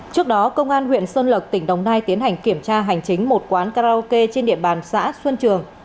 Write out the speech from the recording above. trước đó công an huyện xuân lộc tỉnh đồng nai tiến hành kiểm tra hành chính một quán karaoke trên địa bàn xã xuân trường